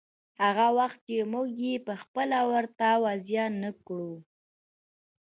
هغه وخت چې موږ يې پخپله ورته وضع نه کړو.